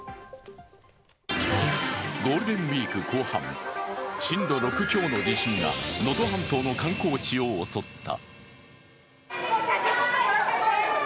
ゴールデンウイーク後半震度６強の地震が能登半島の観光地を襲った。